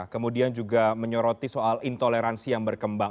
kemudian juga menyoroti soal intoleransi yang berkembang